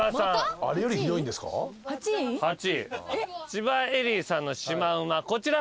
千葉恵里さんのシマウマこちら。